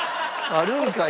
あるんかいな。